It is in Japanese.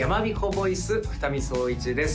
ボイス二見颯一です